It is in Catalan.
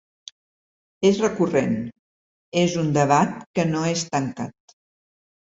És recurrent, és un debat que no és tancat.